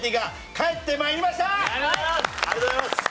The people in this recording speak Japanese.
ありがとうございます。